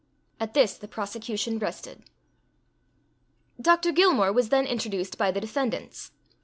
At this the prosecution rested. Dr. Gilmore was then introduced by the defendants.